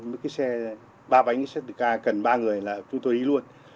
mấy cái xe ba bánh xe tự ca cần ba người là chúng tôi đi luôn